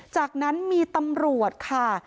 จากนั้นมีตำรวจค่ะ